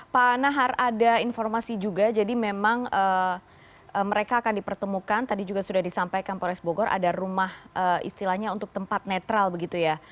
pak nahar ada informasi juga jadi memang mereka akan dipertemukan tadi juga sudah disampaikan pores bogor ada rumah istilahnya untuk tempat netral begitu ya